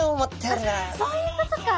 あっそういうことか。